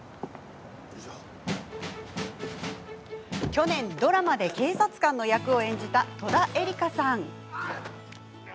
去年、ドラマで警察官の役を演じた戸田恵梨香さん。